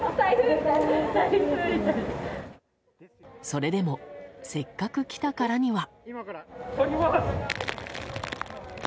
それでもせっかく来たからには。